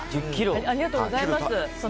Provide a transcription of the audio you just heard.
ありがとうございます。